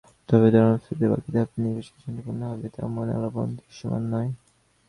তবে তাঁর অনুপস্থিতিতে বাকি ধাপের নির্বাচন শান্তিপূর্ণ হবে, তেমন আলামত দৃশ্যমান নয়।